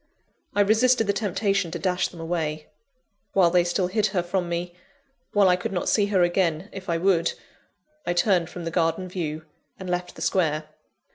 I resisted the temptation to dash them away. While they still hid her from me while I could not see her again, if I would I turned from the garden view, and left the Square.